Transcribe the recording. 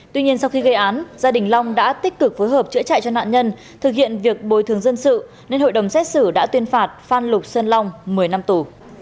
tuy nhiên sau khi gây án gia đình long đã tích cực phối hợp chữa chạy cho nạn nhân thực hiện việc bồi thường dân sự nên hội đồng xét xử đã tuyên phạt phan lục xuân long một mươi năm tù